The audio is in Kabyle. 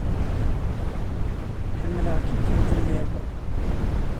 Ḥemmleɣ-k akken tellid.